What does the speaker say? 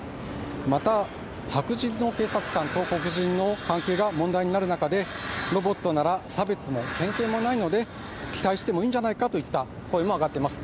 また、白人の警察官と黒人の関係が問題になる中でロボットなら差別も偏見もないので期待してもいいんじゃないかという声があります。